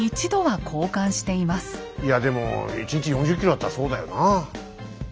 いやでも１日４０ｋｍだったらそうだよなあ。